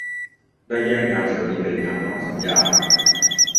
ได้แยกงานส่วนนี้เป็นงานนอกสัญญา